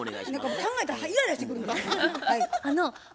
考えたらイライラしてくるんですよ。